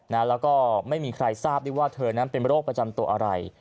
แล้วก็ไม่มีใครทราบได้ว่าเธอนั้นเป็นโรคประจำตัวอะไร